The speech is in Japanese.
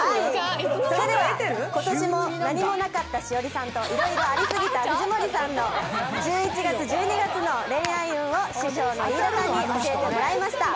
今年も何もなかった栞里さんといろいろありすぎた藤森さんの１１月、１２月の恋愛運を師匠に教えてもらいました。